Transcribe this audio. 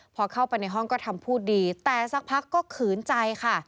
พอเข้าไปในห้องก็ทำพูดดีแต่สักพักก็ขืนใจค่ะ